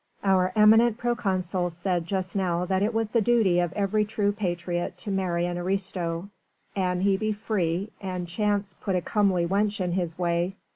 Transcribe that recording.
Our eminent proconsul said just now that it was the duty of every true patriot to marry an aristo, an he be free and Chance puts a comely wench in his way.